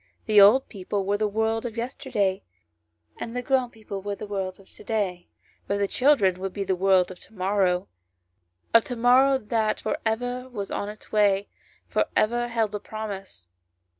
The old people were the world of yesterday ; and the grown people were the world of to day ; but the child ren would be the world of to morrow : of to morrow that for ever was on its way, for ever held a promise.